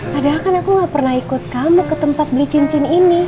padahal kan aku gak pernah ikut kamu ke tempat beli cincin ini